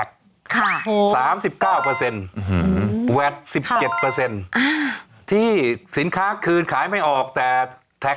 สามสิบเก้าเปอร์เซ็นต์อืมแวดสิบเก็บเปอร์เซ็นต์ที่สินค้าคืนขายไม่ออกแต่